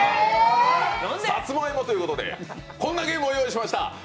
さつまいもということで、こんなゲームを用意しました。